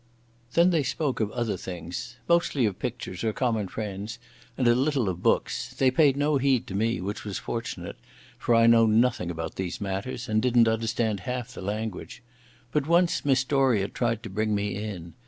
Then they spoke of other things. Mostly of pictures or common friends, and a little of books. They paid no heed to me, which was fortunate, for I know nothing about these matters and didn't understand half the language. But once Miss Doria tried to bring me in.